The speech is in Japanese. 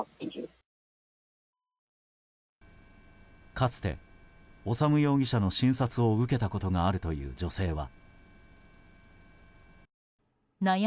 かつて修容疑者の診察を受けたことがあるという女性は。